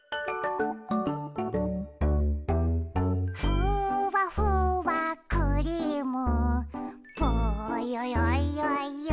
「ふわふわクリームぽよよよよん」